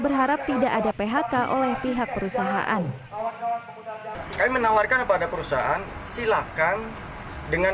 berharap tidak ada phk oleh pihak perusahaan kami menawarkan kepada perusahaan silakan dengan